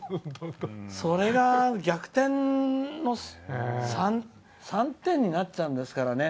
それが、逆転の３点になっちゃうんですからね。